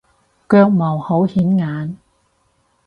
腳毛好顯眼